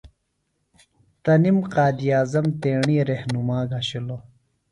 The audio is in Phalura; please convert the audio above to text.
تنم قائداعظم تیݨی رہنُما گھشِلوۡ۔